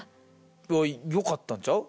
いやよかったんちゃう？